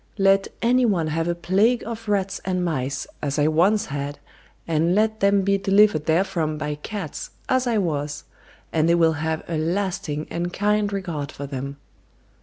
Let any one have a plague of rats and mice, as I once had, and let them be delivered therefrom by cats, as I was, and they will have a lasting and kind regard for them.